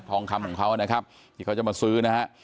ทองคำของเขานะครับที่เขาจะมาซื้อนะฮะ